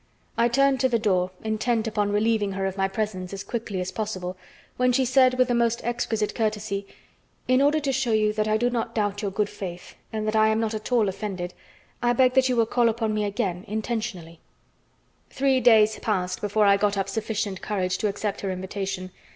I turned to the door, intent upon relieving her of my presence as quickly as possible, when she said with the most exquisite courtesy: "In order to show you that I do not doubt your good faith and that I'm not at all offended, I beg that you will call upon me again, intentionally." Three days passed before I got up sufficient courage to accept her invitation.